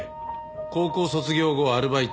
高校卒業後アルバイト。